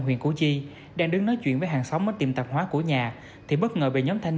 huyện củ chi đang đứng nói chuyện với hàng xóm ở tiệm tạp hóa của nhà thì bất ngờ bị nhóm thanh